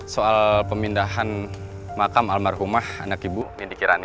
soal pemindahan makam almarhumah anak ibu mindie kirani